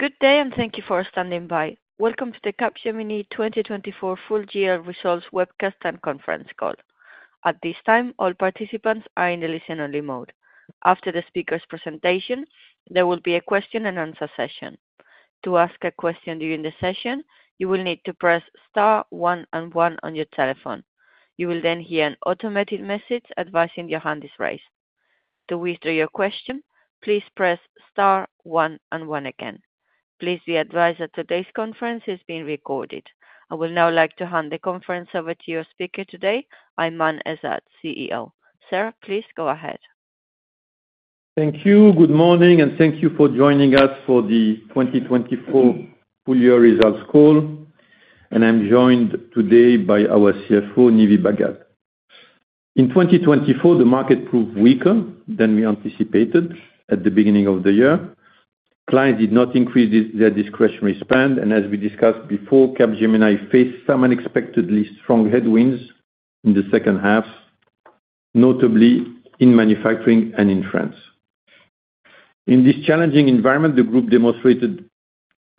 Good day, and thank you for standing by. Welcome to the Capgemini 2024 Full Year Results Webcast and Conference Call. At this time, all participants are in the listen-only mode. After the speaker's presentation, there will be a question-and-answer session. To ask a question during the session, you will need to press *1* on your telephone. You will then hear an automated message advising your hand is raised. To withdraw your question, please press *1* again. Please be advised that today's conference is being recorded. I would now like to hand the conference over to your speaker today, Aiman Ezzat, CEO. Sir, please go ahead. Thank you. Good morning, and thank you for joining us for the 2024 Full-Year Results Call. I'm joined today by our CFO, Nive Bhagat. In 2024, the market proved weaker than we anticipated at the beginning of the year. Clients did not increase their discretionary spend, and as we discussed before, Capgemini faced some unexpectedly strong headwinds in the second half, notably in manufacturing and in France. In this challenging environment, the group demonstrated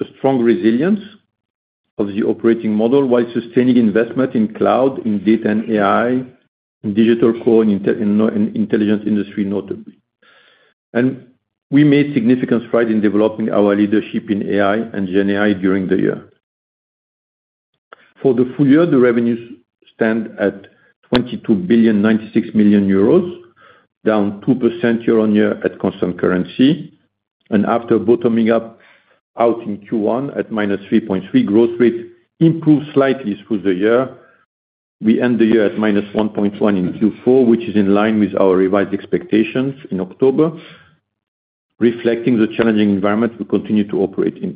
a strong resilience of the operating model while sustaining investment in cloud, in data and AI, in Digital Core and Intelligent Industry, notably. We made significant strides in developing our leadership in AI and Gen AI during the year. For the full year, the revenues stand at 22.96 billion, down 2% year-on-year at constant currency. After bottoming out in Q1 at -3.3%, growth rate improved slightly through the year. We end the year at -1.1 in Q4, which is in line with our revised expectations in October, reflecting the challenging environment we continue to operate in.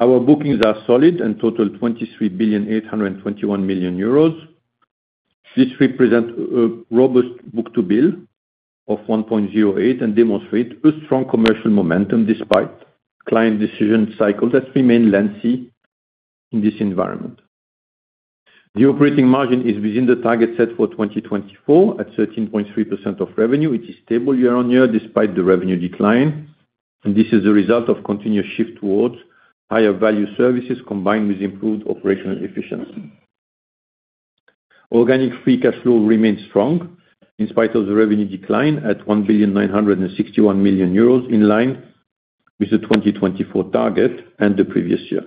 Our bookings are solid and total 23.821 billion. This represents a robust book-to-bill of 1.08 and demonstrates a strong commercial momentum despite client decision cycles that remain lengthy in this environment. The operating margin is within the target set for 2024 at 13.3% of revenue. It is stable year-on-year despite the revenue decline, and this is the result of continuous shift towards higher-value services combined with improved operational efficiency. Organic free cash flow remains strong in spite of the revenue decline at 1.961 billion euros, in line with the 2024 target and the previous year.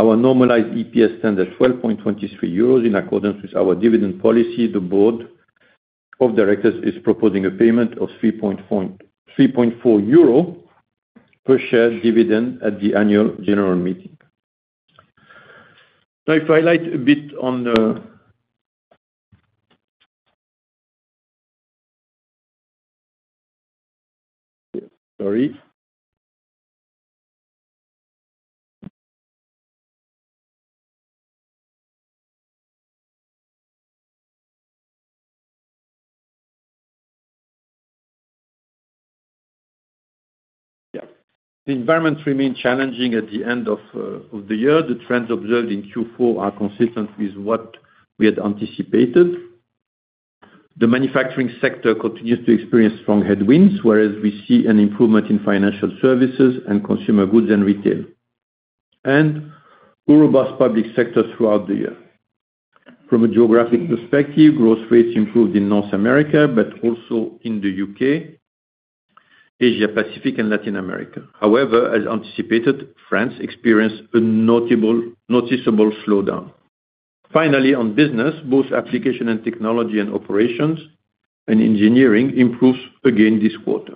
Our normalized EPS stands at 12.23 euros. In accordance with our dividend policy, the board of directors is proposing a payment of 3.40 euro per share dividend at the annual general meeting. If I elaborate a bit on the environment remains challenging at the end of the year. The trends observed in Q4 are consistent with what we had anticipated. The manufacturing sector continues to experience strong headwinds, whereas we see an improvement in financial services and consumer goods and retail, and a robust public sector throughout the year. From a geographic perspective, growth rates improved in North America but also in the UK, Asia Pacific, and Latin America. However, as anticipated, France experienced a noticeable slowdown. Finally, on business, both application and technology and operations and engineering improved again this quarter.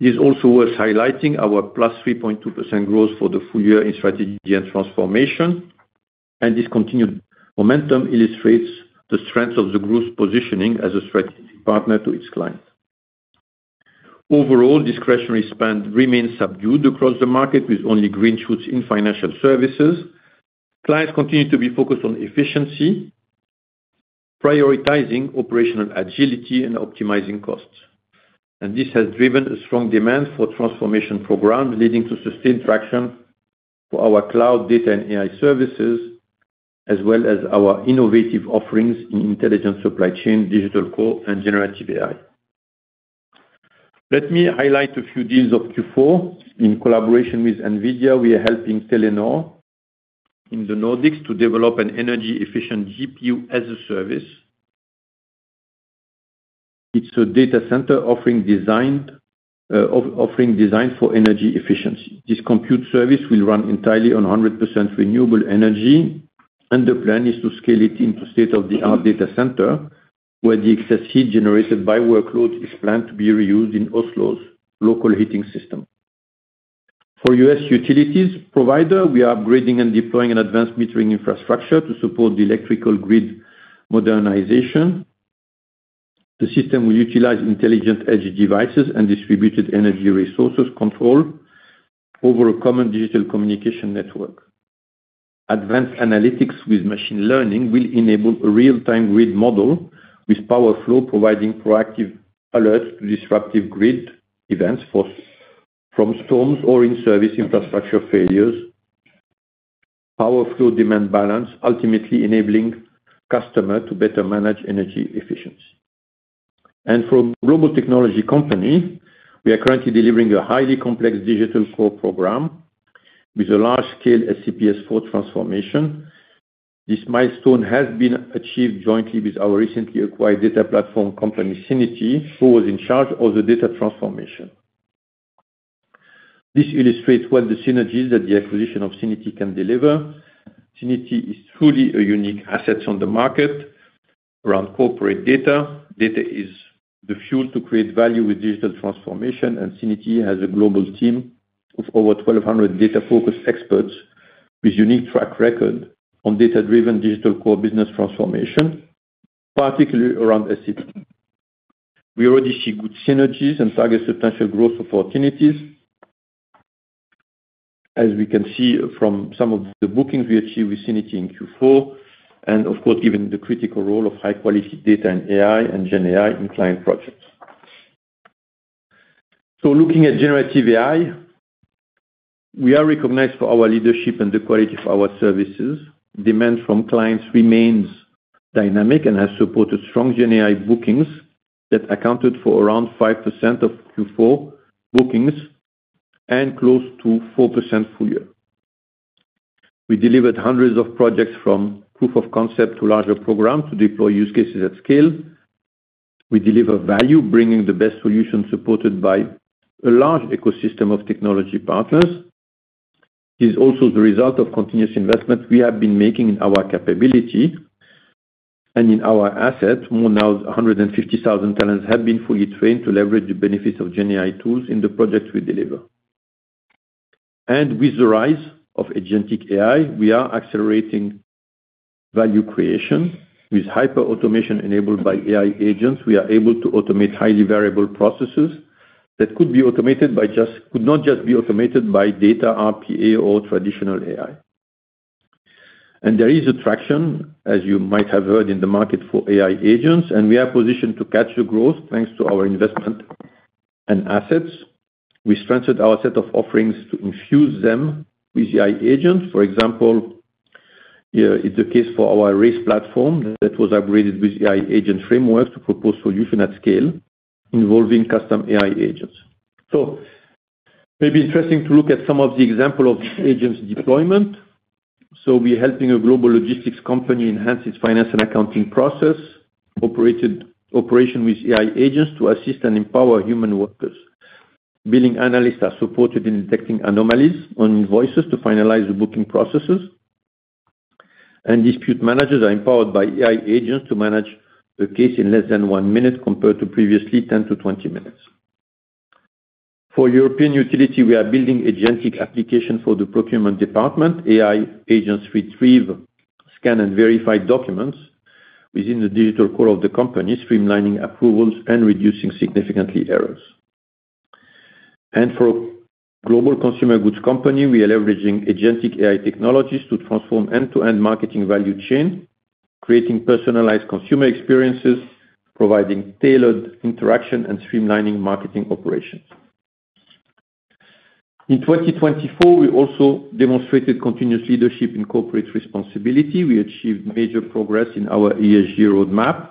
It is also worth highlighting our +3.2% growth for the full year in strategy and transformation, and this continued momentum illustrates the strength of the group's positioning as a strategic partner to its clients. Overall, discretionary spend remains subdued across the market, with only green shoots in financial services. Clients continue to be focused on efficiency, prioritizing operational agility and optimizing costs. This has driven a strong demand for transformation programs, leading to sustained traction for our cloud, data, and AI services, as well as our innovative offerings in intelligent supply chain, digital core, and generative AI. Let me highlight a few deals of Q4. In collaboration with NVIDIA, we are helping Telenor in the Nordics to develop an energy-efficient GPU as a service. It's a data center offering design for energy efficiency. This compute service will run entirely on 100% renewable energy, and the plan is to scale it into state-of-the-art data center, where the excess heat generated by workloads is planned to be reused in Oslo's local heating system. For U.S. utilities provider, we are upgrading and deploying an advanced metering infrastructure to support the electrical grid modernization. The system will utilize intelligent edge devices and distributed energy resources control over a common digital communication network. Advanced analytics with machine learning will enable a real-time grid model, with power flow providing proactive alerts to disruptive grid events from storms or in-service infrastructure failures. Power flow demand balance ultimately enabling customers to better manage energy efficiency. From a global technology company, we are currently delivering a highly complex digital core program with a large-scale SAP S/4HANA transformation. This milestone has been achieved jointly with our recently acquired data platform company, Syniti, who was in charge of the data transformation. This illustrates what the synergies that the acquisition of Syniti can deliver. Syniti is truly a unique asset on the market around corporate data. Data is the fuel to create value with digital transformation, and Syniti has a global team of over 1,200 data-focused experts with a unique track record on data-driven digital core business transformation, particularly around S/4HANA. We already see good synergies and target substantial growth for Syniti, as we can see from some of the bookings we achieved with Syniti in Q4, and of course, given the critical role of high-quality data and AI and Gen AI in client projects. Looking at generative AI, we are recognized for our leadership and the quality of our services. Demand from clients remains dynamic and has supported strong Gen AI bookings that accounted for around 5% of Q4 bookings and close to 4% full year. We delivered hundreds of projects, from proof of concept to larger programs, to deploy use cases at scale. We deliver value, bringing the best solutions supported by a large ecosystem of technology partners. It is also the result of continuous investment we have been making in our capability and in our assets. More than 150,000 talents have been fully trained to leverage the benefits of Gen AI tools in the projects we deliver. With the rise of agentic AI, we are accelerating value creation. With hyper-automation enabled by AI agents, we are able to automate highly variable processes that could not just be automated by data, RPA, or traditional AI. There is traction, as you might have heard, in the market for AI agents, and we are positioned to catch the growth thanks to our investment and assets. We strengthened our set of offerings to infuse them with AI agents. For example, it's the case for our RAISE platform that was upgraded with AI agent framework to propose solutions at scale involving custom AI agents. It may be interesting to look at some of the examples of agents' deployment. We are helping a global logistics company enhance its finance and accounting process, operating with AI agents to assist and empower human workers. Billing analysts are supported in detecting anomalies on invoices to finalize booking processes, and dispute managers are empowered by AI agents to manage the case in less than one minute compared to previously 10 to 20 minutes. For European utilities, we are building agentic applications for the procurement department. AI agents retrieve, scan, and verify documents within the digital core of the company, streamlining approvals and reducing significantly errors. For a global consumer goods company, we are leveraging agentic AI technologies to transform end-to-end marketing value chain, creating personalized consumer experiences, providing tailored interaction, and streamlining marketing operations. In 2024, we also demonstrated continuous leadership in corporate responsibility. We achieved major progress in our ESG roadmap.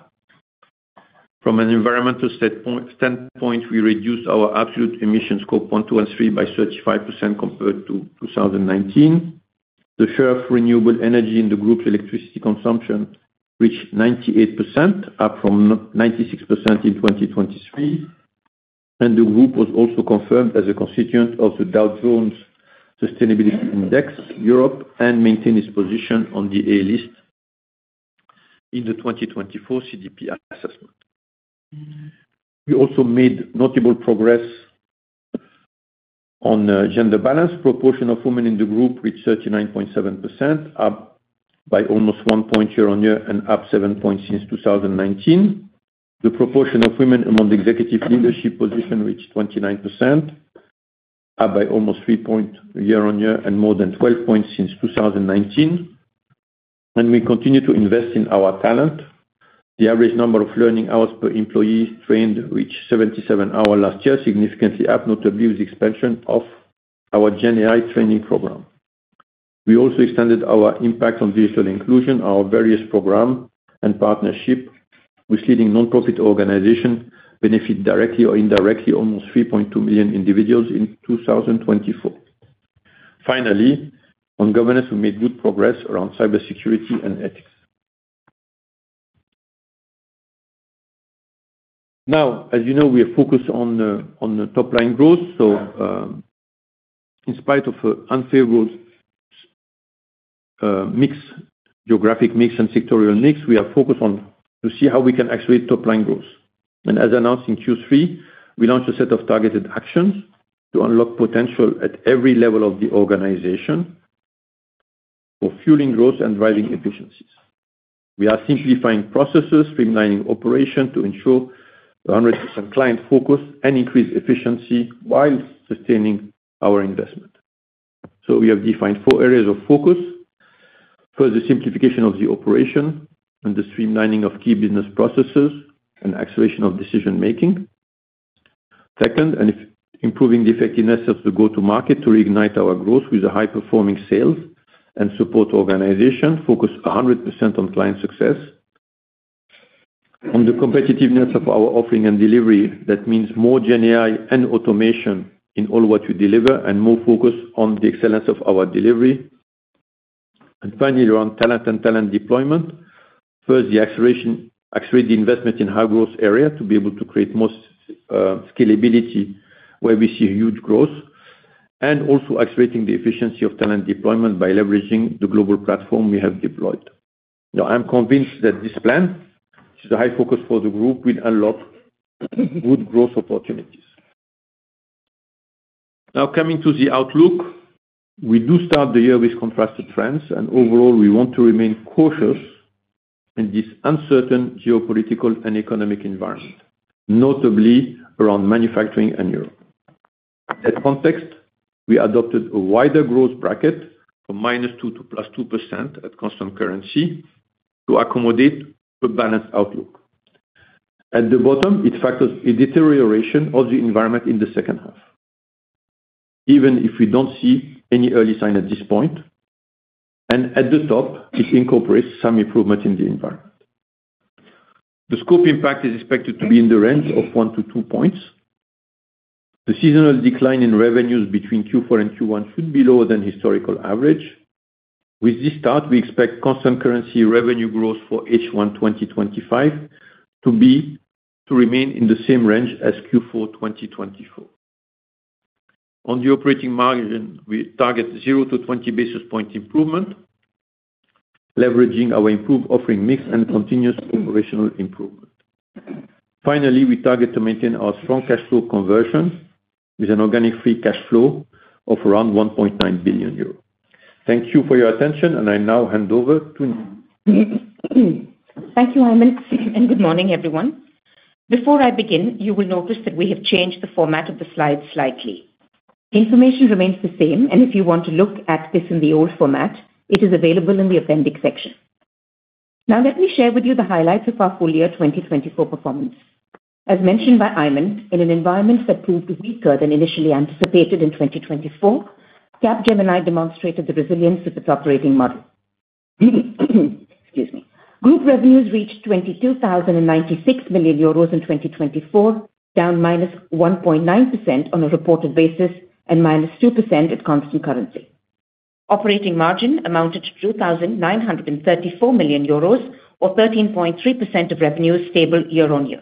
From an environmental standpoint, we reduced our absolute emissions score of 0.23 by 35% compared to 2019. The share of renewable energy in the group's electricity consumption reached 98%, up from 96% in 2023. The group was also confirmed as a constituent of the Dow Jones Sustainability Index Europe and maintained its position on the A-list in the 2024 CDP assessment. We also made notable progress on gender balance. The proportion of women in the group reached 39.7%, up by almost one point year-on-year and up 7 points since 2019. The proportion of women among executive leadership positions reached 29%, up by almost 3 points year-on-year and more than 12 points since 2019. We continue to invest in our talent. The average number of learning hours per employee trained reached 77 hours last year, significantly up, notably with the expansion of our Gen AI training program. We also extended our impact on digital inclusion. Our various programs and partnerships with leading nonprofit organizations benefited directly or indirectly almost 3.2 million individuals in 2024. Finally, on governance, we made good progress around cybersecurity and ethics. Now, as you know, we are focused on top-line growth. In spite of an unfavorable geographic mix and sectoral mix, we are focused on seeing how we can accelerate top-line growth. As announced in Q3, we launched a set of targeted actions to unlock potential at every level of the organization for fueling growth and driving efficiencies. We are simplifying processes, streamlining operations to ensure 100% client focus and increase efficiency while sustaining our investment. We have defined four areas of focus. First, the simplification of the operation and the streamlining of key business processes and acceleration of decision-making. Second, improving the effectiveness of the go-to-market to reignite our growth with high-performing sales and support organizations focused 100% on client success. On the competitiveness of our offering and delivery, that means more Gen AI and automation in all what we deliver and more focus on the excellence of our delivery. Finally, around talent and talent deployment. First, we accelerate the investment in high-growth areas to be able to create more scalability where we see huge growth, and also accelerating the efficiency of talent deployment by leveraging the global platform we have deployed. I'm convinced that this plan, which is a high focus for the group, will unlock good growth opportunities. Now, coming to the outlook, we do start the year with contrasted trends, and overall, we want to remain cautious in this uncertain geopolitical and economic environment, notably around manufacturing and Europe. In that context, we adopted a wider growth bracket from -2% to +2% at constant currency to accommodate a balanced outlook. At the bottom, it factors in deterioration of the environment in the second half, even if we don't see any early sign at this point. At the top, it incorporates some improvement in the environment. The scope impact is expected to be in the range of one to two points. The seasonal decline in revenues between Q4 and Q1 should be lower than historical average. With this start, we expect constant currency revenue growth for H1 2025 to remain in the same range as Q4 2024. On the operating margin, we target 0-20 basis points improvement, leveraging our improved offering mix and continuous operational improvement. Finally, we target to maintain our strong cash flow conversion with an organic free cash flow of around 1.9 billion euros. Thank you for your attention, and I now hand over to. Thank you, Aiman, and good morning, everyone. Before I begin, you will notice that we have changed the format of the slides slightly. The information remains the same, and if you want to look at this in the old format, it is available in the appendix section. Now, let me share with you the highlights of our full year 2024 performance. As mentioned by Aiman, in an environment that proved weaker than initially anticipated in 2024, Capgemini demonstrated the resilience of its operating model. Group revenues reached 22,096 million euros in 2024, down -1.9% on a reported basis and -2% at constant currency. Operating margin amounted to 2,934 million euros, or 13.3% of revenue, stable year-on-year.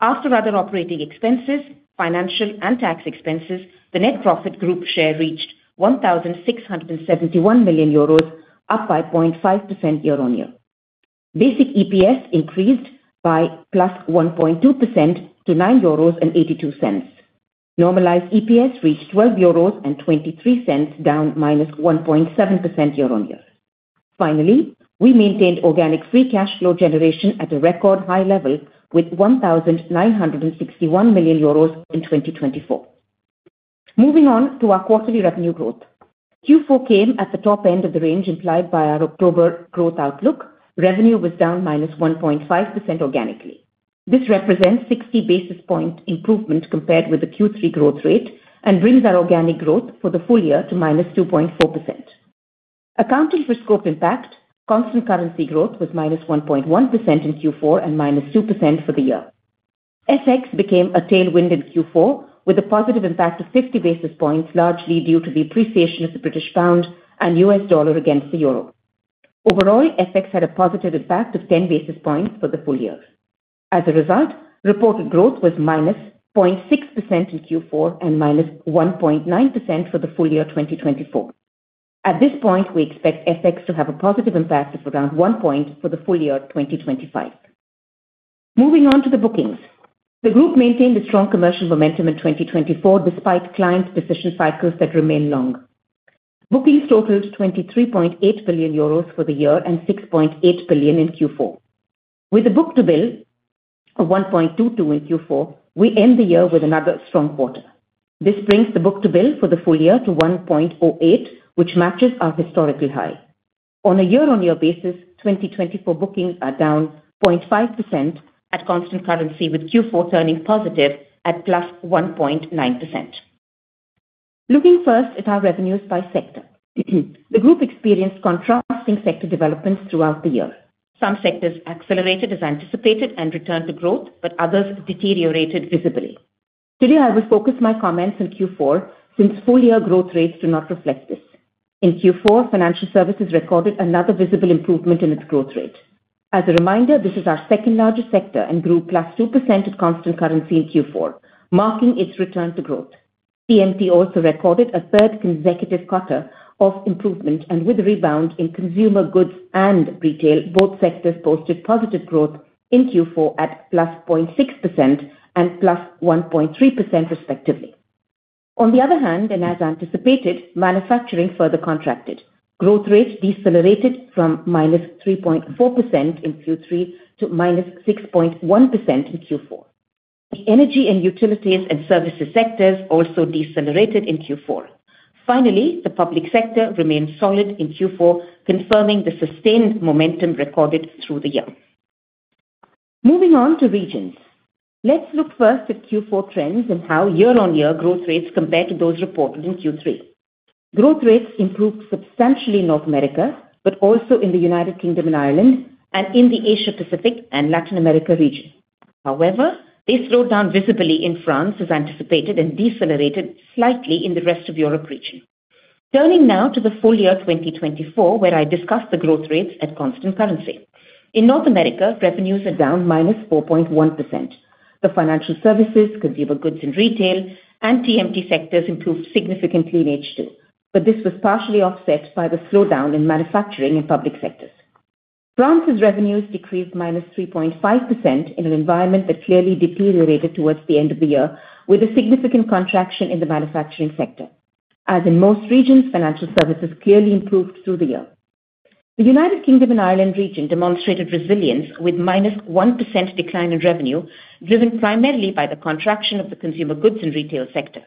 After other operating expenses, financial and tax expenses, the net profit group share reached 1,671 million euros, up by 0.5% year-on-year. Basic EPS increased by +1.2% to 9.82 euros. Normalized EPS reached 12.23 euros, down -1.7% year-on-year. Finally, we maintained organic free cash flow generation at a record high level with 1,961 million euros in 2024. Moving on to our quarterly revenue growth. Q4 came at the top end of the range implied by our October growth outlook. Revenue was down minus 1.5% organically. This represents a 60 basis points improvement compared with the Q3 growth rate and brings our organic growth for the full year to minus 2.4%. Accounting for scope impact, constant currency growth was minus 1.1% in Q4 and minus 2% for the year. FX became a tailwind in Q4 with a positive impact of 50 basis points, largely due to the appreciation of the British pound and US dollar against the euro. Overall, FX had a positive impact of 10 basis points for the full year. As a result, reported growth was minus 0.6% in Q4 and minus 1.9% for the full year 2024. At this point, we expect FX to have a positive impact of around one point for the full year 2025. Moving on to the bookings. The group maintained a strong commercial momentum in 2024 despite client decision cycles that remained long. Bookings totaled 23.8 billion euros for the year and 6.8 billion in Q4. With a book-to-bill of 1.22 in Q4, we end the year with another strong quarter. This brings the book-to-bill for the full year to 1.08, which matches our historical high. On a year-on-year basis, 2024 bookings are down 0.5% at constant currency, with Q4 turning positive at plus 1.9%. Looking first at our revenues by sector, the group experienced contrasting sector developments throughout the year. Some sectors accelerated as anticipated and returned to growth, but others deteriorated visibly. Today, I will focus my comments on Q4 since full year growth rates do not reflect this. In Q4, financial services recorded another visible improvement in its growth rate. As a reminder, this is our second largest sector and grew +2% at constant currency in Q4, marking its return to growth. CMT also recorded a third consecutive quarter of improvement, and with a rebound in consumer goods and retail, both sectors posted positive growth in Q4 at +0.6% and +1.3%, respectively. On the other hand, and as anticipated, manufacturing further contracted. Growth rate decelerated from -3.4% in Q3 to -6.1% in Q4. The energy and utilities and services sectors also decelerated in Q4. Finally, the public sector remained solid in Q4, confirming the sustained momentum recorded through the year. Moving on to regions, let's look first at Q4 trends and how year-on-year growth rates compared to those reported in Q3. Growth rates improved substantially in North America, but also in the United Kingdom and Ireland, and in the Asia-Pacific and Latin America region. However, they slowed down visibly in France, as anticipated, and decelerated slightly in the rest of Europe region. Turning now to the full year 2024, where I discussed the growth rates at constant currency. In North America, revenues are down -4.1%. The financial services, consumer goods, and retail and TMT sectors improved significantly in H2, but this was partially offset by the slowdown in manufacturing and public sectors. France's revenues decreased -3.5% in an environment that clearly deteriorated towards the end of the year, with a significant contraction in the manufacturing sector. As in most regions, financial services clearly improved through the year. The United Kingdom and Ireland region demonstrated resilience with minus 1% decline in revenue, driven primarily by the contraction of the consumer goods and retail sector.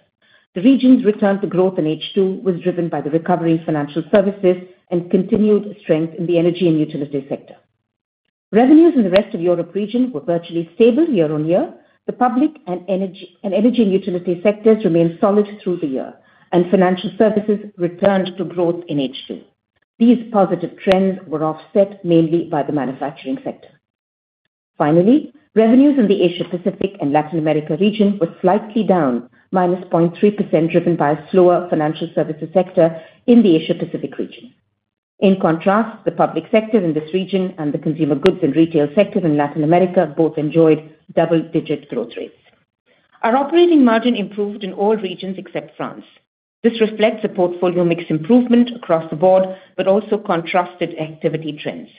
The region's return to growth in H2 was driven by the recovery of financial services and continued strength in the energy and utility sector. Revenues in the rest of Europe region were virtually stable year-on-year. The public and energy and utility sectors remained solid through the year, and financial services returned to growth in H2. These positive trends were offset mainly by the manufacturing sector. Finally, revenues in the Asia-Pacific and Latin America region were slightly down, minus 0.3%, driven by a slower financial services sector in the Asia-Pacific region. In contrast, the public sector in this region and the consumer goods and retail sector in Latin America both enjoyed double-digit growth rates. Our operating margin improved in all regions except France. This reflects the portfolio mix improvement across the board, but also contrasted activity trends.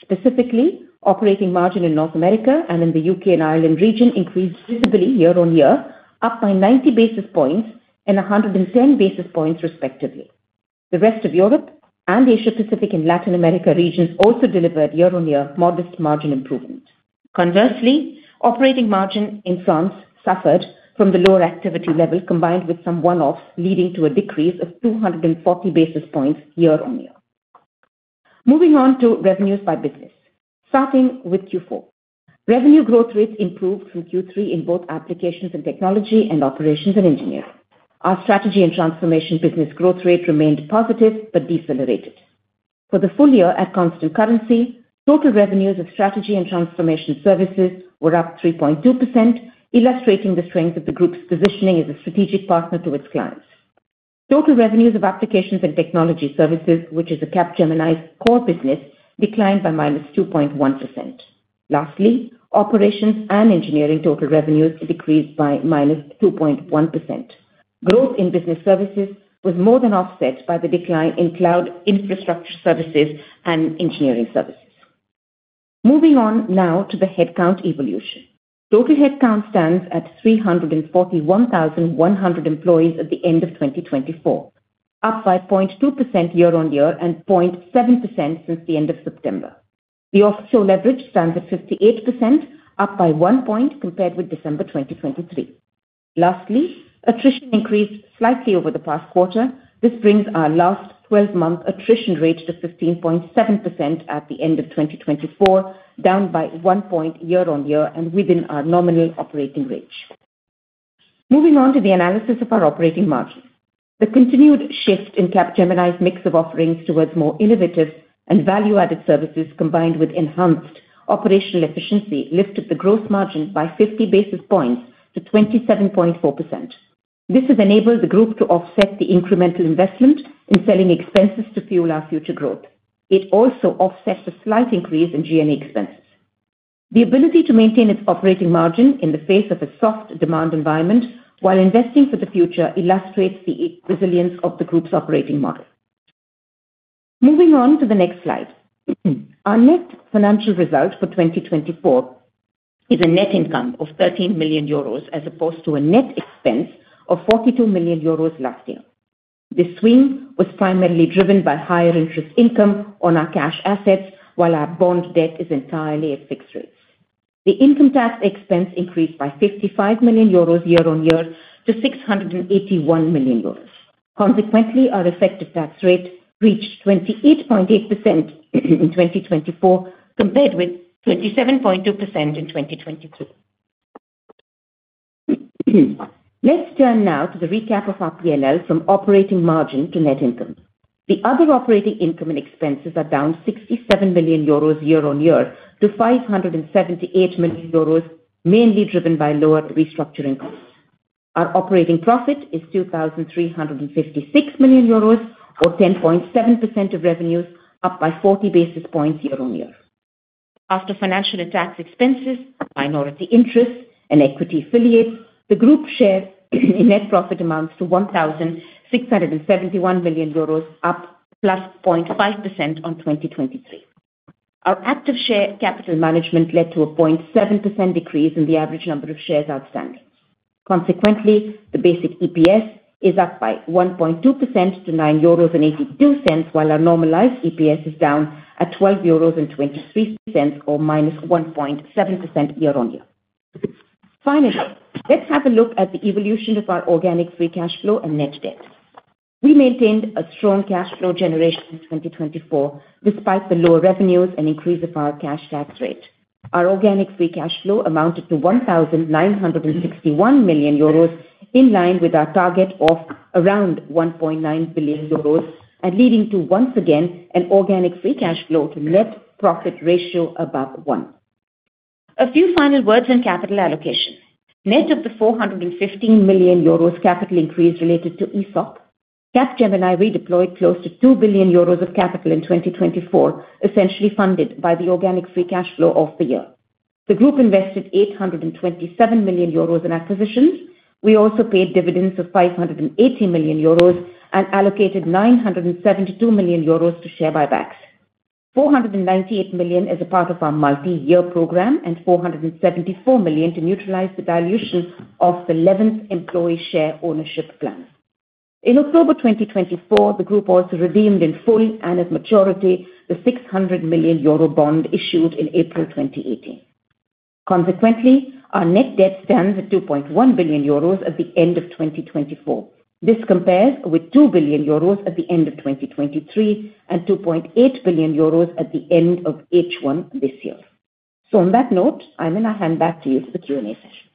Specifically, operating margin in North America and in the UK and Ireland region increased visibly year-on-year, up by 90 basis points and 110 basis points, respectively. The rest of Europe and Asia-Pacific and Latin America regions also delivered year-on-year modest margin improvement. Conversely, operating margin in France suffered from the lower activity level combined with some one-offs, leading to a decrease of 240 basis points year-on-year. Moving on to revenues by business, starting with Q4. Revenue growth rates improved from Q3 in both applications and technology and operations and engineering. Our strategy and transformation business growth rate remained positive but decelerated. For the full year at constant currency, total revenues of strategy and transformation services were up 3.2%, illustrating the strength of the group's positioning as a strategic partner to its clients. Total revenues of applications and technology services, which is Capgemini's core business, declined by minus 2.1%. Lastly, operations and engineering total revenues decreased by minus 2.1%. Growth in business services was more than offset by the decline in cloud infrastructure services and engineering services. Moving on now to the headcount evolution. Total headcount stands at 341,100 employees at the end of 2024, up by 0.2% year-on-year and 0.7% since the end of September. The offshore leverage stands at 58%, up by one point compared with December 2023. Lastly, attrition increased slightly over the past quarter. This brings our last 12-month attrition rate to 15.7% at the end of 2024, down by one point year-on-year and within our nominal operating range. Moving on to the analysis of our operating margin. The continued shift in Capgemini's mix of offerings towards more innovative and value-added services, combined with enhanced operational efficiency, lifted the gross margin by 50 basis points to 27.4%. This has enabled the group to offset the incremental investment in selling expenses to fuel our future growth. It also offsets a slight increase in G&E expenses. The ability to maintain its operating margin in the face of a soft demand environment while investing for the future illustrates the resilience of the group's operating model. Moving on to the next slide. Our net financial result for 2024 is a net income of 13 million euros as opposed to a net expense of 42 million euros last year. This swing was primarily driven by higher interest income on our cash assets, while our bond debt is entirely at fixed rates. The income tax expense increased by 55 million euros year-on-year to 681 million euros. Consequently, our effective tax rate reached 28.8% in 2024 compared with 27.2% in 2023. Let's turn now to the recap of our P&L from operating margin to net income. The other operating income and expenses are down 67 million euros year-on-year to 578 million euros, mainly driven by lower restructuring costs. Our operating profit is 2,356 million euros, or 10.7% of revenues, up by 40 basis points year-on-year. After financial and tax expenses, minority interest, and equity affiliates, the group share in net profit amounts to 1,671 million euros, up plus 0.5% on 2023. Our active share capital management led to a 0.7% decrease in the average number of shares outstanding. Consequently, the basic EPS is up by 1.2% to 9.82 euros, while our normalized EPS is down at 12.23 euros, or minus 1.7% year-on-year. Finally, let's have a look at the evolution of our organic free cash flow and net debt. We maintained a strong cash flow generation in 2024 despite the lower revenues and increase of our cash tax rate. Our organic free cash flow amounted to 1,961 million euros, in line with our target of around 1.9 billion euros, and leading to, once again, an organic free cash flow to net profit ratio above one. A few final words on capital allocation. Net of the 415 million euros capital increase related to ESOC, Capgemini redeployed close to 2 billion euros of capital in 2024, essentially funded by the organic free cash flow of the year. The group invested 827 million euros in acquisitions. We also paid dividends of 580 million euros and allocated 972 million euros to share buybacks, 498 million as a part of our multi-year program and 474 million to neutralize the dilution of the 11th employee share ownership plan. In October 2024, the group also redeemed in full and at maturity the 600 million euro bond issued in April 2018. Consequently, our net debt stands at 2.1 billion euros at the end of 2024. This compares with two billion euros at the end of 2023 and 2.8 billion euros at the end of H1 this year. So on that note, I'm going to hand back to you for the Q&A session.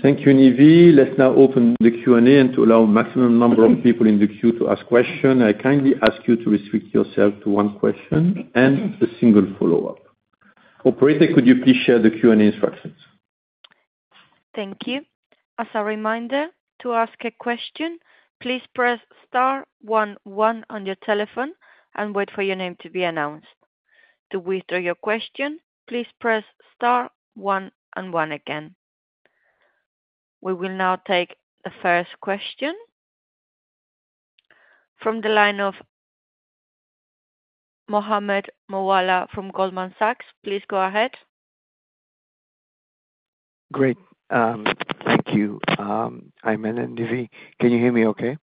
Thank you, Nive. Let's now open the Q&A and to allow a maximum number of people in the queue to ask questions. I kindly ask you to restrict yourself to one question and a single follow-up. Operator, could you please share the Q&A instructions? Thank you. As a reminder, to ask a question, please press star one one on your telephone and wait for your name to be announced. To withdraw your question, please press star one one again. We will now take the first question from the line of Mohammed Moualla from Goldman Sachs. Please go ahead. Great. Thank you. I'm in Nive. Can you hear me okay?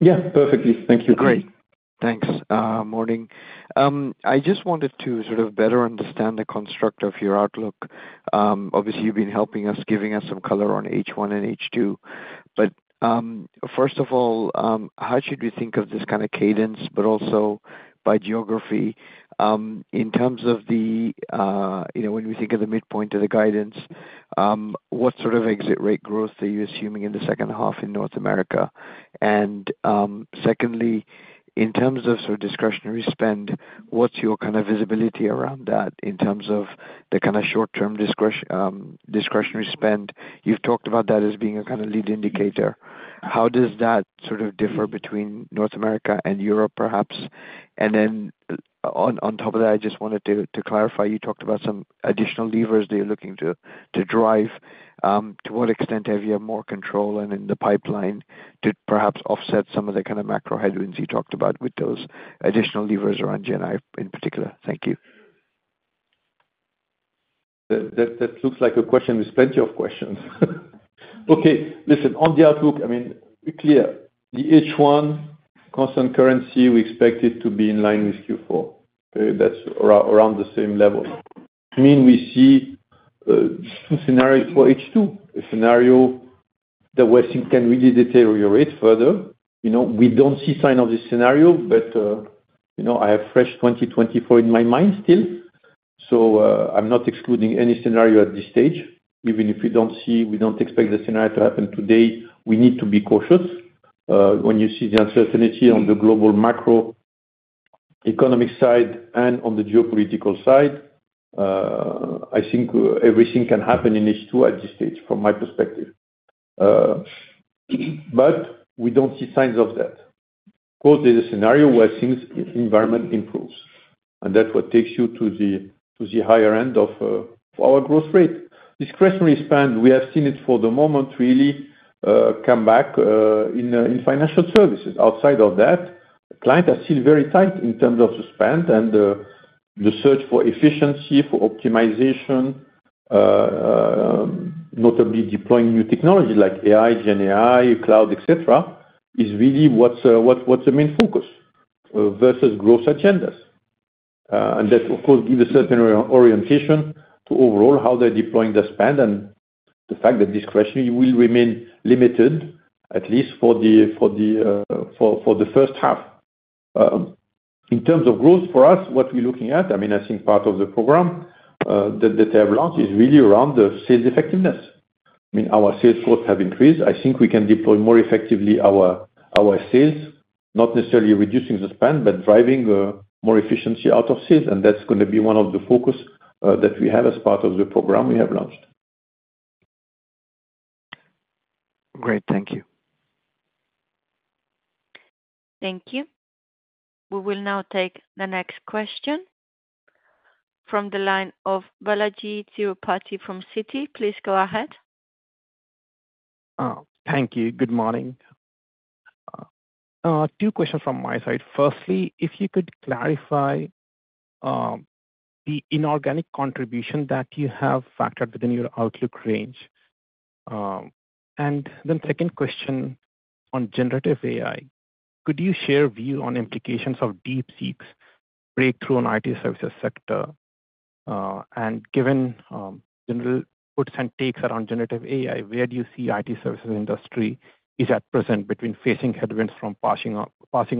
Yeah, perfectly. Thank you. Great. Thanks. Morning. I just wanted to sort of better understand the construct of your outlook. Obviously, you've been helping us, giving us some color on H1 and H2. But first of all, how should we think of this kind of cadence, but also by geography? In terms of when we think of the midpoint of the guidance, what sort of exit rate growth are you assuming in the second half in North America? And secondly, in terms of sort of discretionary spend, what's your kind of visibility around that in terms of the kind of short-term discretionary spend? You've talked about that as being a kind of lead indicator. How does that sort of differ between North America and Europe, perhaps? And then on top of that, I just wanted to clarify, you talked about some additional levers that you're looking to drive. To what extent have you more control and in the pipeline to perhaps offset some of the kind of macro headwinds you talked about with those additional levers around GenAI in particular? Thank you. That looks like a question. There's plenty of questions. Okay. Listen, on the outlook, I mean, clearly, the H1 constant currency, we expect it to be in line with Q4. That's around the same level. I mean, we see two scenarios for H2, a scenario that we think can really deteriorate further. We don't see signs of this scenario, but I have 2024 fresh in my mind still. So I'm not excluding any scenario at this stage. Even if we don't expect the scenario to happen today, we need to be cautious. When you see the uncertainty on the global macroeconomic side and on the geopolitical side, I think everything can happen in H2 at this stage, from my perspective. But we don't see signs of that. Of course, there's a scenario where the environment improves, and that's what takes you to the higher end of our growth rate. Discretionary spend, we have seen it for the moment really come back in financial services. Outside of that, clients are still very tight in terms of the spend and the search for efficiency, for optimization, notably deploying new technology like AI, GenAI, cloud, etc., is really what's the main focus versus growth agendas, and that, of course, gives a certain orientation to overall how they're deploying the spend and the fact that discretionary will remain limited, at least for the first half. In terms of growth, for us, what we're looking at, I mean, I think part of the program that they have launched is really around the sales effectiveness. I mean, our sales growth has increased. I think we can deploy more effectively our sales, not necessarily reducing the spend, but driving more efficiency out of sales. And that's going to be one of the focus that we have as part of the program we have launched. Great. Thank you. Thank you. We will now take the next question from the line of Balajee Tirupati from Citi. Please go ahead. Thank you. Good morning. Two questions from my side. Firstly, if you could clarify the inorganic contribution that you have factored within your outlook range. And then second question on generative AI. Could you share view on implications of DeepSeek's breakthrough in IT services sector? And given general puts and takes around generative AI, where do you see IT services industry is at present between facing headwinds from passing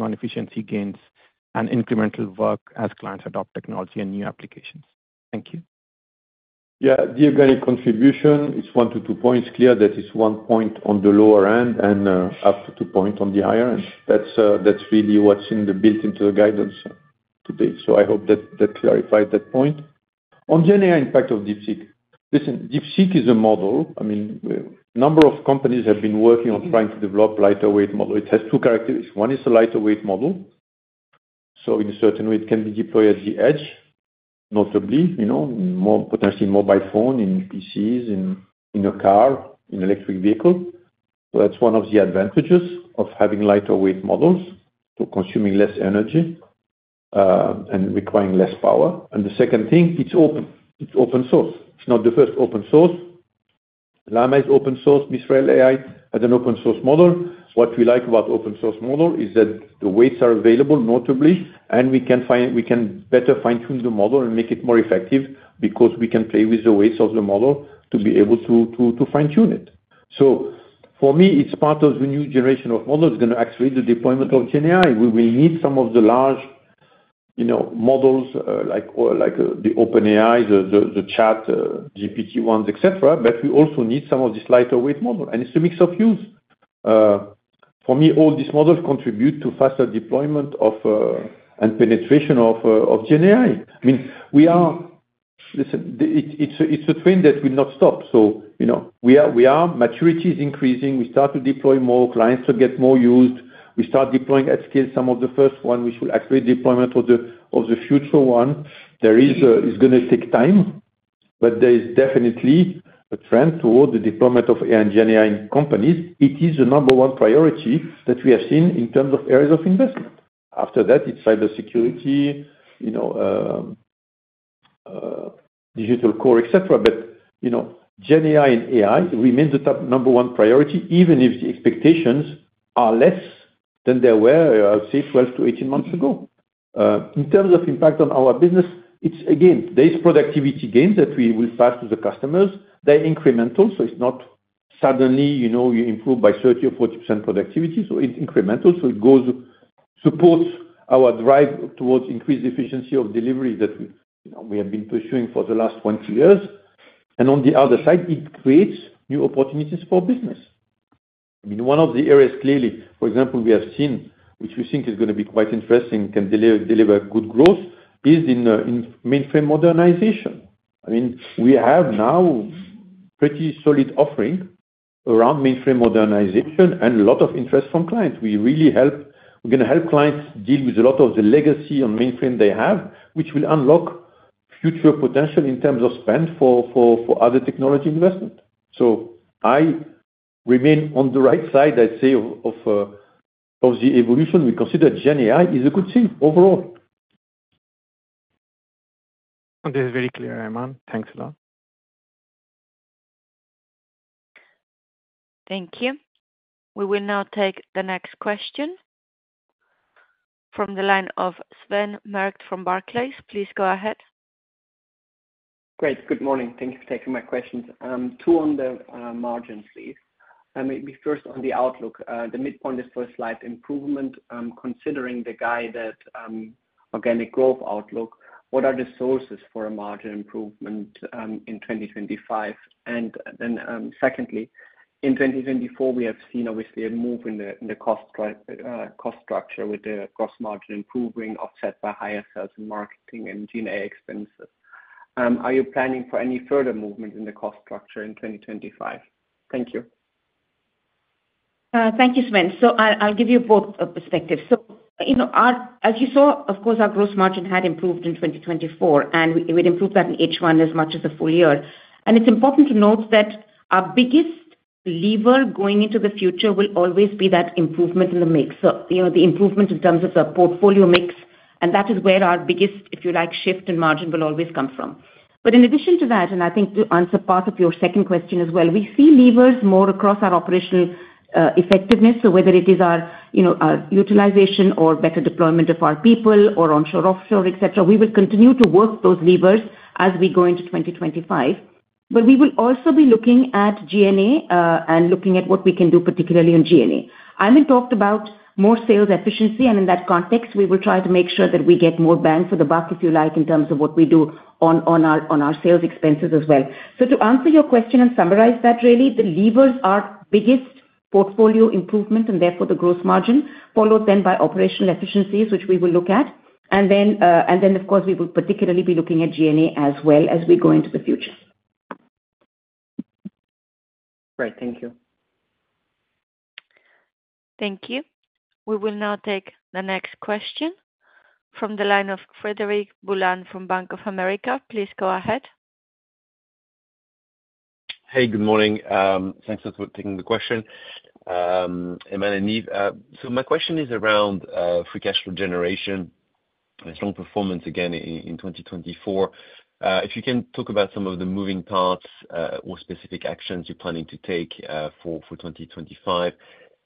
on efficiency gains and incremental work as clients adopt technology and new applications? Thank you. Yeah. The organic contribution is one to two points. Clear that it's one point on the lower end and up to two points on the higher end. That's really what's built into the guidance today. So I hope that clarifies that point. On Gen AI impact of DeepSeek. Listen, DeepSeek is a model. I mean, a number of companies have been working on trying to develop a lighter-weight model. It has two characteristics. One is a lighter-weight model. So in a certain way, it can be deployed at the edge, notably, potentially in mobile phone, in PCs, in a car, in electric vehicles. So that's one of the advantages of having lighter-weight models for consuming less energy and requiring less power. And the second thing, it's open source. It's not the first open source. LLaMA is open source, Mistral AI has an open source model. What we like about open source model is that the weights are available, notably, and we can better fine-tune the model and make it more effective because we can play with the weights of the model to be able to fine-tune it, so for me, it's part of the new generation of models going to accelerate the deployment of GenAI. We will need some of the large models like the OpenAI, the ChatGPT ones, etc., but we also need some of these lighter-weight models, and it's a mix of use. For me, all these models contribute to faster deployment and penetration of GenAI. I mean, we're listening, it's a trend that will not stop, so our maturity is increasing. We start to deploy more clients to get more use. We start deploying at scale some of the first one. We should accelerate deployment of the future one. It's going to take time, but there is definitely a trend toward the deployment of GenAI in companies. It is the number one priority that we have seen in terms of areas of investment. After that, it's cybersecurity, digital core, etc. But GenAI and AI remain the top number one priority, even if the expectations are less than they were, I would say, 12-18 months ago. In terms of impact on our business, it's again, there is productivity gains that we will pass to the customers. They're incremental, so it's not suddenly you improve by 30% or 40% productivity. So it's incremental. So it goes supports our drive towards increased efficiency of delivery that we have been pursuing for the last 20 years. And on the other side, it creates new opportunities for business. I mean, one of the areas clearly, for example, we have seen, which we think is going to be quite interesting, can deliver good growth, is in mainframe modernization. I mean, we have now pretty solid offering around mainframe modernization and a lot of interest from clients. We're going to help clients deal with a lot of the legacy on mainframe they have, which will unlock future potential in terms of spend for other technology investment. So I remain on the right side, I'd say, of the evolution. We consider GenAI is a good thing overall. This is very clear, Aiman. Thanks a lot. Thank you. We will now take the next question from the line of Sven Merkt from Barclays. Please go ahead. Great. Good morning. Thank you for taking my questions. Two on the margins, please. Maybe first on the outlook. The midpoint is for slight improvement. Considering the guided organic growth outlook, what are the sources for a margin improvement in 2025, and then secondly, in 2024, we have seen, obviously, a move in the cost structure with the gross margin improving, offset by higher sales and marketing and G&A expenses. Are you planning for any further movement in the cost structure in 2025? Thank you. Thank you, Sven, so I'll give you both perspectives, so as you saw, of course, our gross margin had improved in 2024, and we'd improved that in H1 as much as the full year, and it's important to note that our biggest lever going into the future will always be that improvement in the mix, so the improvement in terms of the portfolio mix, and that is where our biggest, if you like, shift in margin will always come from. But in addition to that, and I think to answer part of your second question as well, we see levers more across our operational effectiveness. So whether it is our utilization or better deployment of our people or onshore, offshore, etc., we will continue to work those levers as we go into 2025. But we will also be looking at G&A and looking at what we can do, particularly in G&A. I mean, talked about more sales efficiency, and in that context, we will try to make sure that we get more bang for the buck, if you like, in terms of what we do on our sales expenses as well. So to answer your question and summarize that, really, the levers are biggest portfolio improvement, and therefore the gross margin followed then by operational efficiencies, which we will look at. And then, of course, we will particularly be looking at G&A as well as we go into the future. Great. Thank you. Thank you. We will now take the next question from the line of Frederic Boulan from Bank of America. Please go ahead. Hey, good morning. Thanks for taking the question, Aiman and Nive. So my question is around free cash flow generation and strong performance again in 2024. If you can talk about some of the moving parts or specific actions you're planning to take for 2025?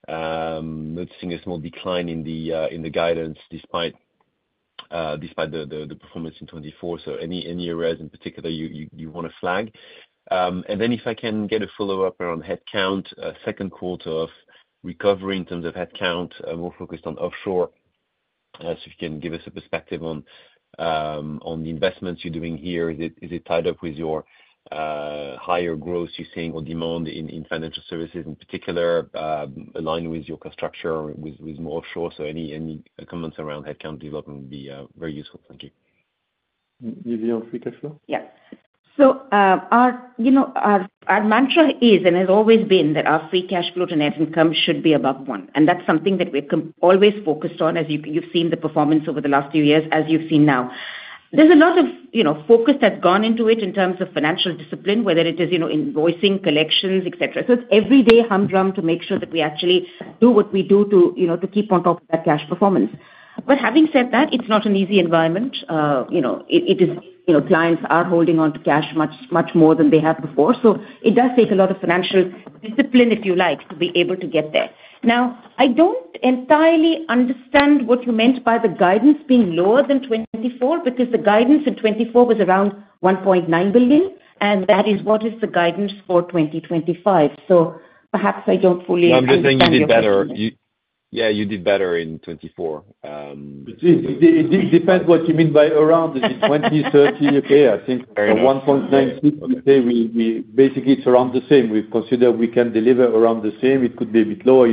I'm noticing a small decline in the guidance despite the performance in 2024. So any areas in particular you want to flag? And then if I can get a follow-up around headcount, second quarter of recovery in terms of headcount, more focused on offshore? So if you can give us a perspective on the investments you're doing here, is it tied up with your higher growth you're seeing or demand in financial services in particular, aligned with your structure with more offshore? So any comments around headcount development would be very useful. Thank you. Nive on free cash flow? Yeah. So our mantra is, and has always been, that our free cash flow to net income should be above one. And that's something that we've always focused on, as you've seen the performance over the last few years, as you've seen now. There's a lot of focus that's gone into it in terms of financial discipline, whether it is invoicing, collections, etc. So it's everyday humdrum to make sure that we actually do what we do to keep on top of that cash performance. But having said that, it's not an easy environment. Clients are holding on to cash much more than they have before. So it does take a lot of financial discipline, if you like, to be able to get there. Now, I don't entirely understand what you meant by the guidance being lower than 2024 because the guidance in 2024 was around 1.9 billion, and that is what is the guidance for 2025. So perhaps I don't fully understand. I'm just saying you did better. Yeah, you did better in 2024. It depends what you mean by around 2030. Okay. I think 1.9 billion, we basically surround the same. We consider we can deliver around the same. It could be a bit lower.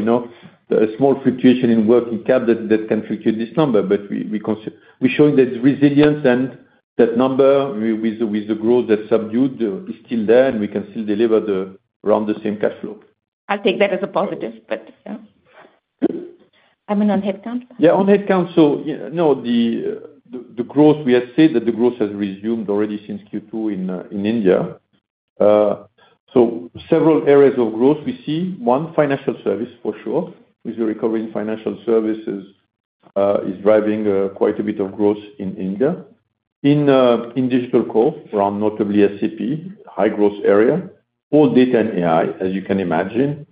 A small fluctuation in working cap that can fluctuate this number, but we're showing that resilience and that number with the growth that subdued is still there, and we can still deliver around the same cash flow. I'll take that as a positive, but yeah. I mean, on headcount? Yeah, on headcount. So no, the growth, we have said that the growth has resumed already since Q2 in India. So several areas of growth we see. One, financial service, for sure, with the recovery in financial services is driving quite a bit of growth in India. In Digital Core, around notably SAP, high growth area, all data and AI, as you can imagine,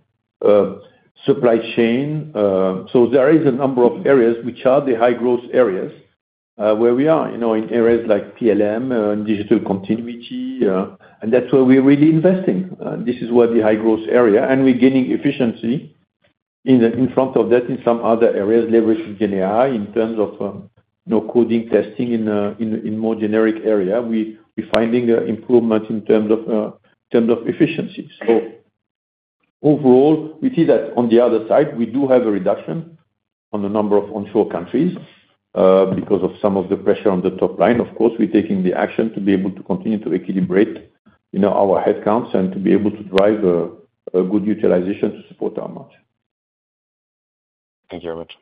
supply chain. So there is a number of areas which are the high growth areas where we are in areas like PLM, digital continuity, and that's where we're really investing. This is where the high growth area, and we're gaining efficiency in front of that in some other areas, leveraging GenAI in terms of coding, testing in more generic area. We're finding improvement in terms of efficiency. So overall, we see that on the other side, we do have a reduction on the number of onshore countries because of some of the pressure on the top line. Of course, we're taking the action to be able to continue to equilibrate our headcounts and to be able to drive a good utilization to support our margin. Thank you very much.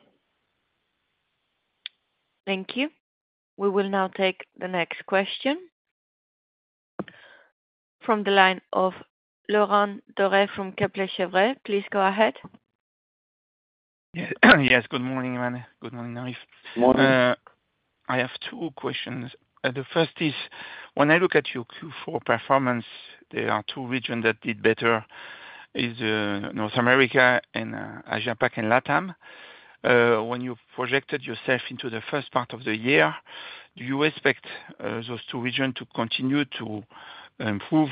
Thank you. We will now take the next question from the line of Laurent Daure from Kepler Cheuvreux. Please go ahead. Yes. Good morning, Aiman. Good morning, Nive. Good morning. I have two questions. The first is, when I look at your Q4 performance, there are two regions that did better, North America and Asia-Pacific and LATAM. When you projected yourself into the first part of the year, do you expect those two regions to continue to improve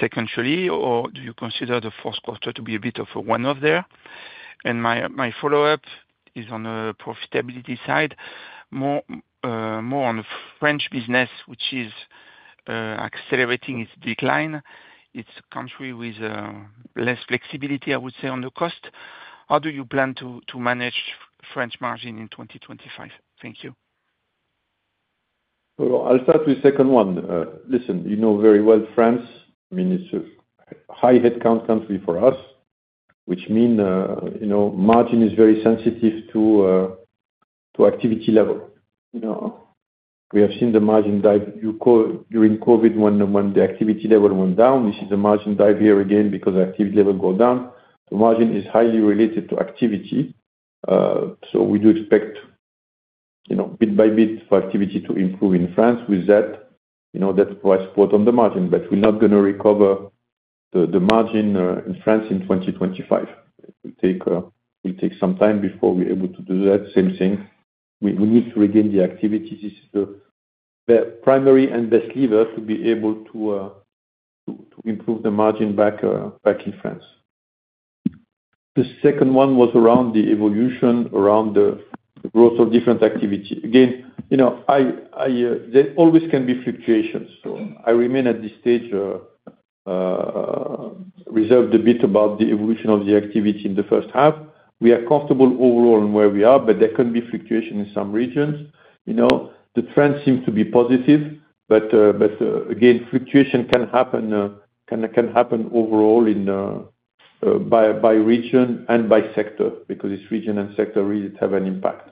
secondarily, or do you consider the fourth quarter to be a bit of a one-off there? And my follow-up is on the profitability side, more on the French business, which is accelerating its decline. It's a country with less flexibility, I would say, on the cost. How do you plan to manage French margin in 2025? Thank you. I'll start with the second one. Listen, you know very well France. I mean, it's a high headcount country for us, which means margin is very sensitive to activity level. We have seen the margin dive during COVID when the activity level went down. We see the margin dive here again because activity level goes down. The margin is highly related to activity. So we do expect bit by bit for activity to improve in France. With that, that's why support on the margin. But we're not going to recover the margin in France in 2025. It will take some time before we're able to do that. Same thing. We need to regain the activity. This is the primary and best lever to be able to improve the margin back in France. The second one was around the evolution, around the growth of different activity. Again, there always can be fluctuations. So I remain at this stage reserved a bit about the evolution of the activity in the first half. We are comfortable overall in where we are, but there can be fluctuation in some regions. The trend seems to be positive, but again, fluctuation can happen overall by region and by sector because region and sector really have an impact.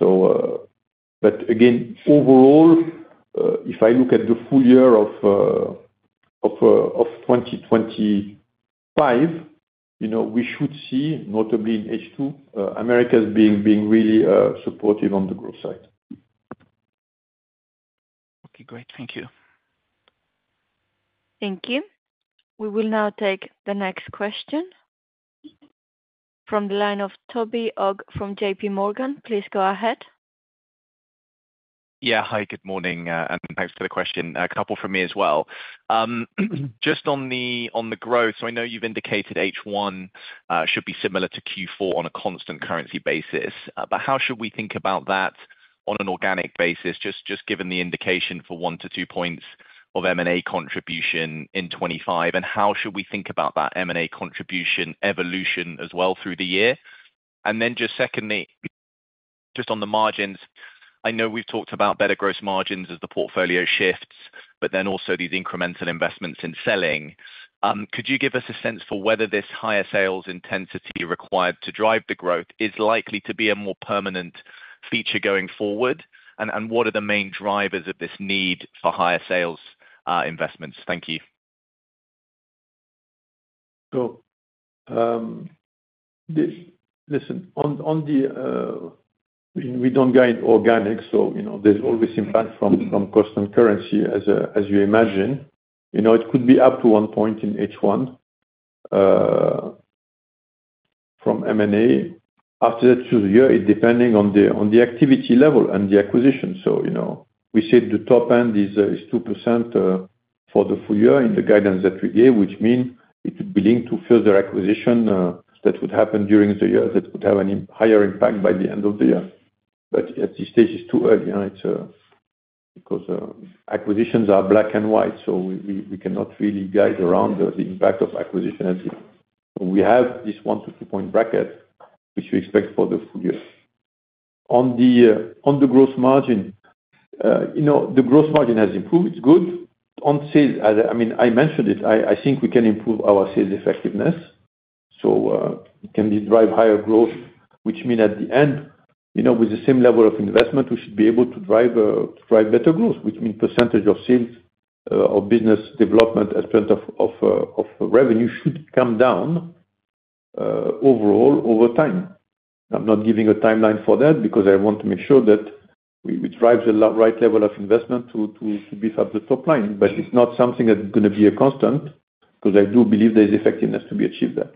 But again, overall, if I look at the full year of 2025, we should see, notably in H2, America being really supportive on the growth side. Okay. Great. Thank you. Thank you. We will now take the next question from the line of Toby Ogg from JPMorgan. Please go ahead. Yeah. Hi, good morning, and thanks for the question. A couple from me as well. Just on the growth, so I know you've indicated H1 should be similar to Q4 on a constant currency basis, but how should we think about that on an organic basis, just given the indication for one to two points of M&A contribution in 2025? And how should we think about that M&A contribution evolution as well through the year? And then just secondly, just on the margins, I know we've talked about better gross margins as the portfolio shifts, but then also these incremental investments in selling. Could you give us a sense for whether this higher sales intensity required to drive the growth is likely to be a more permanent feature going forward? And what are the main drivers of this need for higher sales investments? Thank you. So, listen, we don't guide organic, so there's always impact from cost and currency, as you imagine. It could be up to one point in H1 from M&A. After that, through the year, it's depending on the activity level and the acquisition. So we said the top end is 2% for the full year in the guidance that we gave, which means it would be linked to further acquisition that would happen during the year that would have a higher impact by the end of the year. But at this stage, it's too early because acquisitions are black and white, so we cannot really guide around the impact of acquisition as you know. We have this one to two-point bracket, which we expect for the full year. On the gross margin, the gross margin has improved. It's good. On sales, I mean, I mentioned it. I think we can improve our sales effectiveness. So it can drive higher growth, which means at the end, with the same level of investment, we should be able to drive better growth, which means percentage of sales or business development as % of revenue should come down overall over time. I'm not giving a timeline for that because I want to make sure that we drive the right level of investment to beef up the top line. But it's not something that's going to be a constant because I do believe there is effectiveness to be achieved there.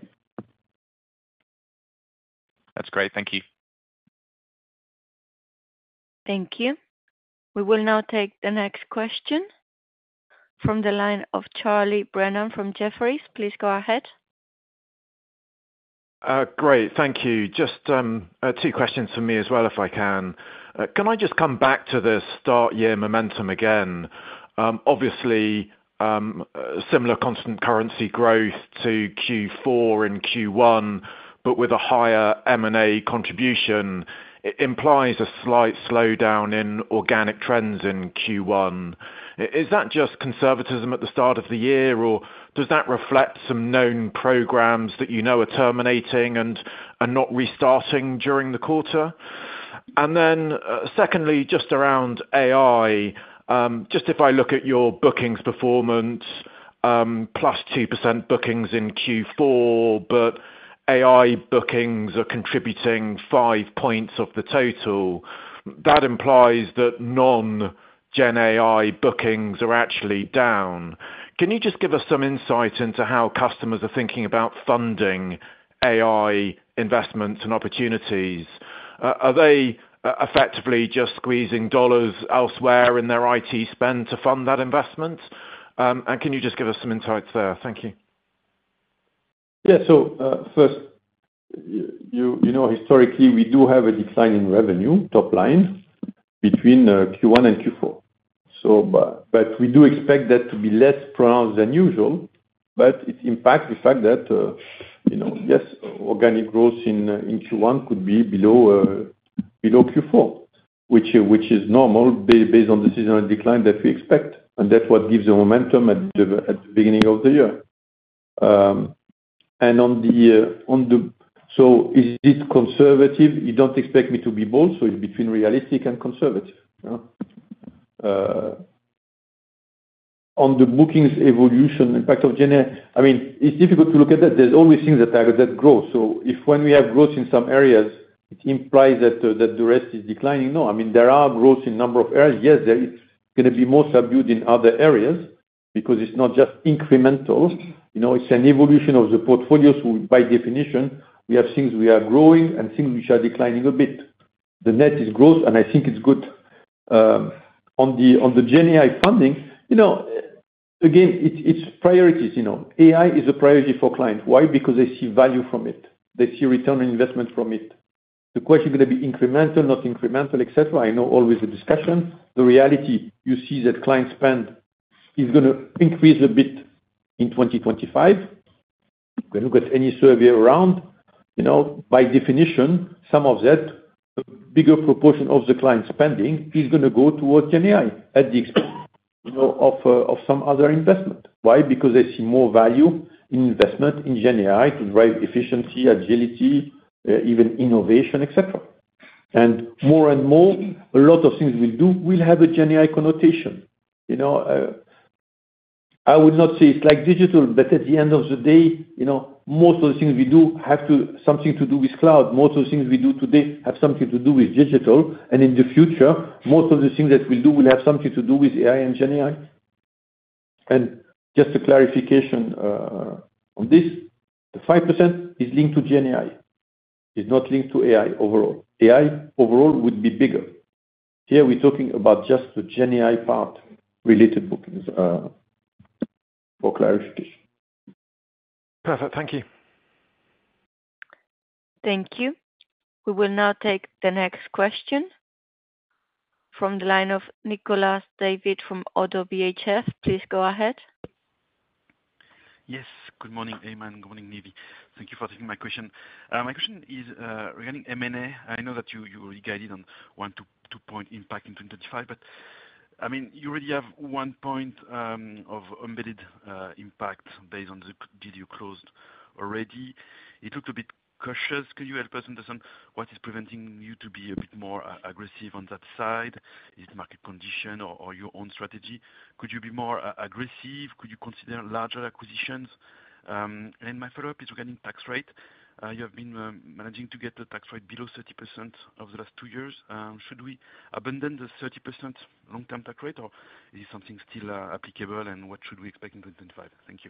That's great. Thank you. Thank you. We will now take the next question from the line of Charlie Brennan from Jefferies. Please go ahead. Great. Thank you. Just two questions for me as well, if I can. Can I just come back to the start year momentum again? Obviously, similar constant currency growth to Q4 and Q1, but with a higher M&A contribution. It implies a slight slowdown in organic trends in Q1. Is that just conservatism at the start of the year, or does that reflect some known programs that you know are terminating and are not restarting during the quarter? And then secondly, just around AI, just if I look at your bookings performance, plus 2% bookings in Q4, but AI bookings are contributing five points of the total. That implies that non-GenAI bookings are actually down. Can you just give us some insight into how customers are thinking about funding AI investments and opportunities? Are they effectively just squeezing dollars elsewhere in their IT spend to fund that investment? And can you just give us some insights there? Thank you. Yeah. So first, historically, we do have a decline in revenue top line between Q1 and Q4. But we do expect that to be less pronounced than usual, but it impacts the fact that, yes, organic growth in Q1 could be below Q4, which is normal based on the seasonal decline that we expect. And that's what gives the momentum at the beginning of the year. And on the, so is it conservative? You don't expect me to be bold, so it's between realistic and conservative. On the bookings evolution, impact of GenAI, I mean, it's difficult to look at that. There's always things that growth. So if when we have growth in some areas, it implies that the rest is declining. No. I mean, there are growth in a number of areas. Yes, it's going to be more subdued in other areas because it's not just incremental. It's an evolution of the portfolios. By definition, we have things we are growing and things which are declining a bit. The net is growth, and I think it's good. On the GenAI funding, again, it's priorities. AI is a priority for clients. Why? Because they see value from it. They see return on investment from it. The question is going to be incremental, etc. I know always the discussion. The reality, you see that client spend is going to increase a bit in 2025. When you get any survey around, by definition, some of that, a bigger proportion of the client spending is going to go towards GenAI at the expense of some other investment. Why? Because they see more value in investment in GenAI to drive efficiency, agility, even innovation, etc. And more and more, a lot of things we'll do will have a GenAI connotation. I would not say it's like digital, but at the end of the day, most of the things we do have something to do with cloud. Most of the things we do today have something to do with digital. And in the future, most of the things that we'll do will have something to do with AI and GenAI. And just a clarification on this, the 5% is linked to GenAI. It's not linked to AI overall. AI overall would be bigger. Here, we're talking about just the GenAI part-related bookings for clarification. Perfect. Thank you. Thank you. We will now take the next question from the line of Nicolas David from Oddo BHF. Please go ahead. Yes. Good morning, Aiman. Good morning, Nive. Thank you for taking my question. My question is regarding M&A. I know that you already guided on one- to two-point impact in 2025, but I mean, you already have one point of embedded impact based on the deal you closed already. It looked a bit cautious. Can you help us understand what is preventing you to be a bit more aggressive on that side? Is it market condition or your own strategy? Could you be more aggressive? Could you consider larger acquisitions? And my follow-up is regarding tax rate. You have been managing to get the tax rate below 30% over the last two years. Should we abandon the 30% long-term tax rate, or is it something still applicable, and what should we expect in 2025? Thank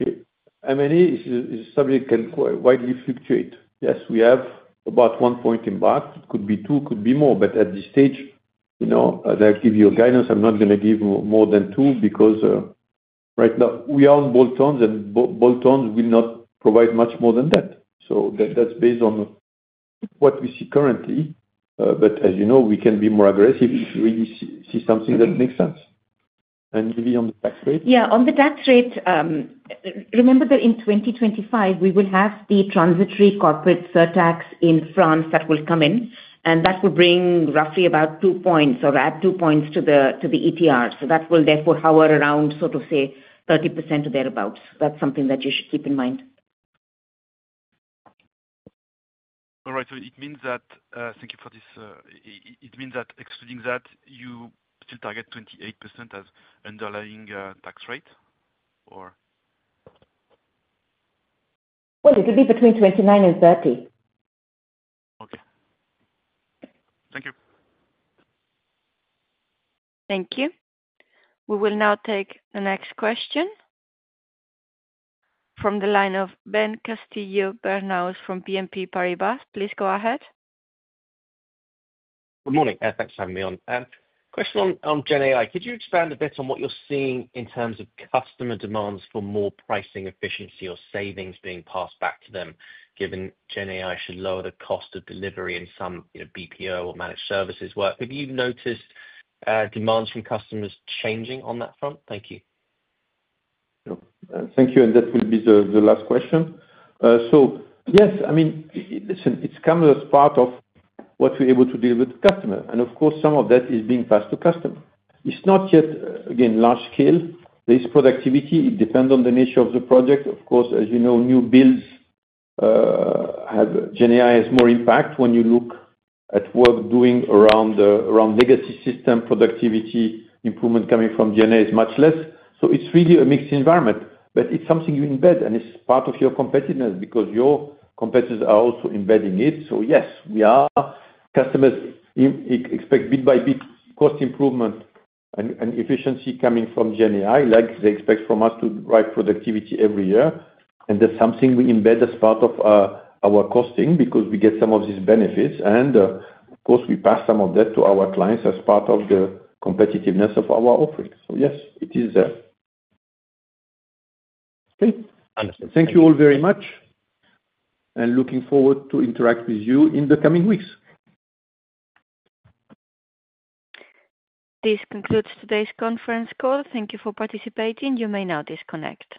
you. M&A is a subject that can widely fluctuate. Yes, we have about one point in the bag. It could be two, could be more. But at this stage, as I give you a guidance, I'm not going to give more than two because right now, we are on ballpark, and ballpark will not provide much more than that. So that's based on what we see currently. But as you know, we can be more aggressive if we really see something that makes sense. And maybe on the tax rate? Yeah. On the tax rate, remember that in 2025, we will have the transitory corporate tax in France that will come in, and that will bring roughly about two points or add two points to the ETR. So that will therefore hover around, sort of say, 30% or thereabouts. That's something that you should keep in mind. All right. So it means that thank you for this. It means that excluding that, you still target 28% as underlying tax rate, or? It'll be between 29 and 30. Okay. Thank you. Thank you. We will now take the next question from the line of Ben Castillo-Bernaus from BNP Paribas. Please go ahead. Good morning. Thanks for having me on. Question on GenAI. Could you expand a bit on what you're seeing in terms of customer demands for more pricing efficiency or savings being passed back to them, given GenAI should lower the cost of delivery and some BPO or managed services work? Have you noticed demands from customers changing on that front? Thank you. Thank you, and that will be the last question. Yes, I mean, listen, it's come as part of what we're able to deal with the customer. And of course, some of that is being passed to customer. It's not yet, again, large scale. There is productivity. It depends on the nature of the project. Of course, as you know, new builds have GenAI has more impact when you look at work doing around legacy system productivity improvement coming from GenAI is much less. So it's really a mixed environment, but it's something you embed, and it's part of your competitiveness because your competitors are also embedding it. So yes, our customers expect bit by bit cost improvement and efficiency coming from GenAI, like they expect from us to drive productivity every year. And that's something we embed as part of our costing because we get some of these benefits. And of course, we pass some of that to our clients as part of the competitiveness of our offering. So yes, it is there. Okay. Thank you all very much, and looking forward to interact with you in the coming weeks. This concludes today's conference call. Thank you for participating. You may now disconnect.